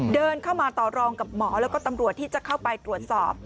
เดินเข้ามาต่อรองกับหมอแล้วก็ตำรวจที่จะเข้าไปตรวจสอบ